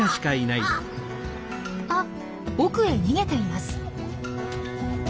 ・あっ奥へ逃げています。